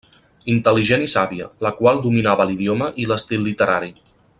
Intel·ligent i sàvia, la qual dominava l'idioma i l'estil literari.